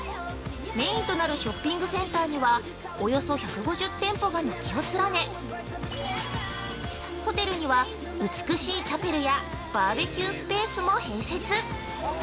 メインとなるショッピングセンターにはおよそ１５０店舗が軒を連ね、ホテルには、美しいチャペルやバーベキュースペースも併設。